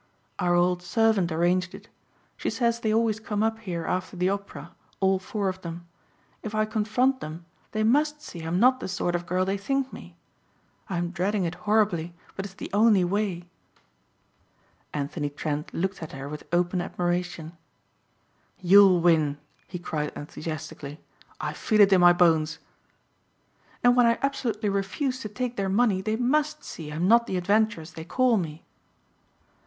"Our old servant arranged it. She says they always come up here after the opera, all four of them. If I confront them they must see I'm not the sort of girl they think me. I'm dreading it horribly but it's the only way." Anthony Trent looked at her with open admiration. "You'll win," he cried enthusiastically, "I feel it in my bones." "And when I absolutely refuse to take their money they must see I'm not the adventuress they call me."